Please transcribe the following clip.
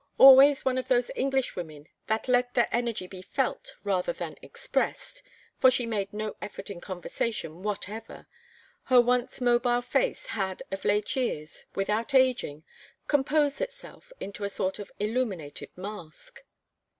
Always one of those Englishwomen that let their energy be felt rather than expressed, for she made no effort in conversation whatever, her once mobile face had of late years, without aging, composed itself into a sort of illuminated mask.